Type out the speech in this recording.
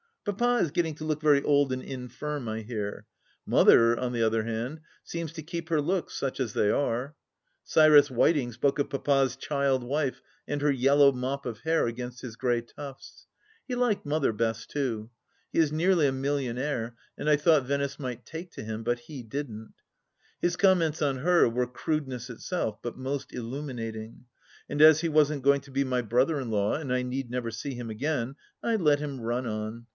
Papa is getting to look very old and infirm, I hear. Mother, on the other hand, seems to keep her looks, such as they are. Cyrus Whiteing spoke of Papa's " child wife " and her yellow mop of hair against his grey tufts. He liked Mother best too. He is nearly a millionaire, and I thought Venice might take to him, but he didn't. His comments on her were crudeness itself, but most illuminating. And as he wasn't going to be my brother in law, and I need never see him again, I let him run on.